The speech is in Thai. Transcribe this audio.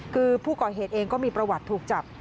คือผู้ก่อเหตุเองก็มีประวัติถูกจับ